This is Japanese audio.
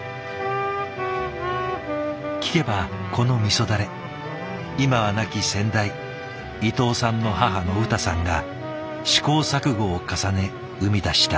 聞けばこの味だれ今は亡き先代伊藤さんの母のウタさんが試行錯誤を重ね生み出した味。